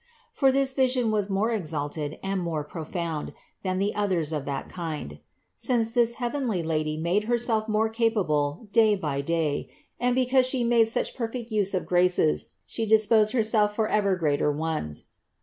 For this vision was more exalted and more profound than the others of that kind ; since this heavenly Lady made Her self more capable day by day and, because She made such perfect use of graces, She disposed Herself for ever greater ones.